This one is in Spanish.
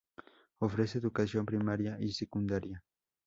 Ofrece educación primaria y secundaria.